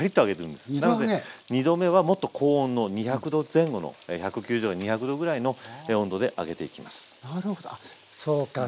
２度目はもっと高温の２００℃前後の１９０２００℃ぐらいの温度で揚げていきます。